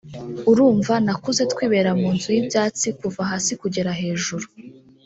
urumva nakuze twibera mu nzu y’ibyatsi kuva hasi kugera hejuru